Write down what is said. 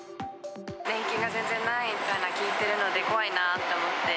年金が全然ないみたいなのを聞いているので、怖いなって思って。